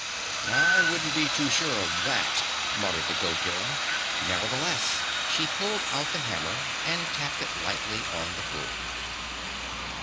"I wouldn't be too sure of that," muttered the Goat Girl. Nevertheless, she pulled out the hammer and tapped it lightly on the floor.